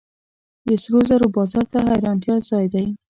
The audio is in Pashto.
د سرو زرو بازار د حیرانتیا ځای دی.